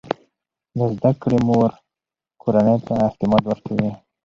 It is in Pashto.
د زده کړې مور کورنۍ ته اعتماد ورکوي.